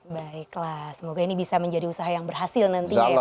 baiklah semoga ini bisa menjadi usaha yang berhasil nanti ya pak ya